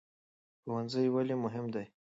ښوونځی ولې مهم دی؟